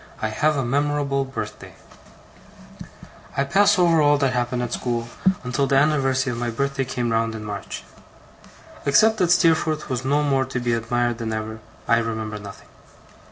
I HAVE A MEMORABLE BIRTHDAY I PASS over all that happened at school, until the anniversary of my birthday came round in March. Except that Steerforth was more to be admired than ever, I remember nothing.